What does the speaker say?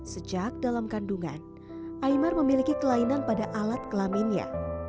sejak dalam kandungan aymar memiliki kelainan pada alat kelaminnya